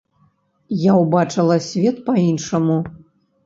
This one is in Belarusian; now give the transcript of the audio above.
Я ўбачыла свет па-іншаму.